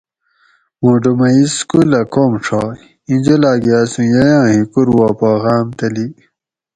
مُوٹو مئی سکولہ کم ڛائے؟ اِیں جولاۤگہ اسوں ییاۤں ہِکور وا پا غاۤم تلی